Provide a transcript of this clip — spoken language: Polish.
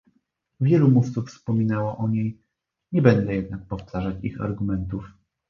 Wielu mówców wspominało o niej, nie będę jednak powtarzać ich argumentów